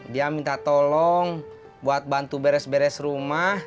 dia minta tolong buat bantu beres beres rumah